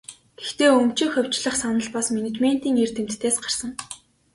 Гэхдээ өмчийг хувьчлах санал бас менежментийн эрдэмтдээс гарсан.